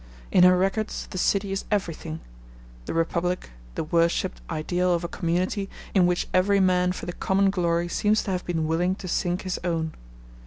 In her records the city is everything the republic, the worshipped ideal of a community in which every man for the common glory seems to have been willing to sink his own.